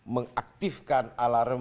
mengaktifkan alarm kedaruratan